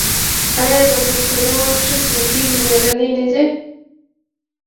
آیا د پښتنو ښځې ډیرې میړنۍ نه دي؟